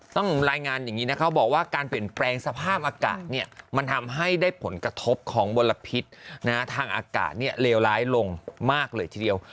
ต้องรายงานอย่างนี้นะคะบอกว่าการเปลี่ยนแปลงสภาพอากาศเนี่ยมันทำให้ได้ผลกระทบของมลพิษทางอากาศเนี่ยเลวร้ายลงมากเลยทีเดียว